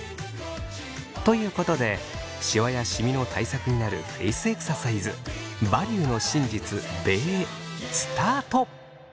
ということでシワやシミの対策になるフェイスエクササイズ「バリューの真実べー」スタート！